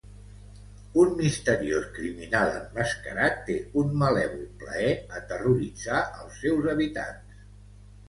Un misteriós criminal emmascarat té un malèvol plaer a terroritzar els seus habitants.